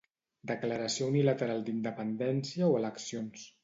Declaració unilateral d'independència o eleccions.